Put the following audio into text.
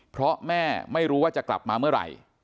เพราะแม่ไม่รู้ว่าจะกลับมาเมื่อไหร่